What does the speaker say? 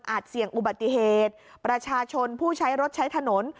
เสี่ยงอุบัติเหตุประชาชนผู้ใช้รถใช้ถนน